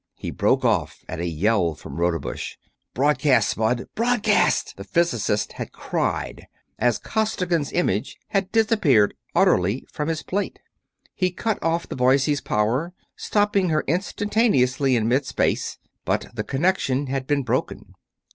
He broke off at a yell from Rodebush. "Broadcast, Spud, BROADCAST!" the physicist had cried, as Costigan's image had disappeared utterly from his plate. He cut off the Boise's power, stopping her instantaneously in mid space, but the connection had been broken.